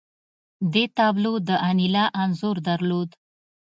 دې تابلو د انیلا انځور درلود